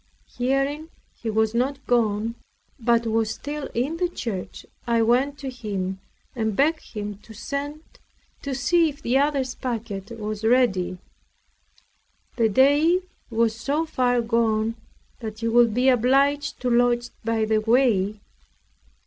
Hearing he was not gone, but was still in the church, I went to him, and begged him to send to see if the other's packet was ready. The day was so far gone that he would be obliged to lodge by the way.